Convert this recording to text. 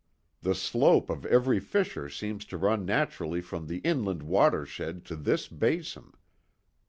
"The slope of every fissure seems to run naturally from the inland watershed to this basin.